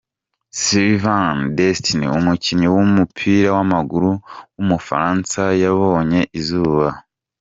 Sylvain Distin, umukinnyi w’umupira w’amaguru w’umufaransa yabonye izuba.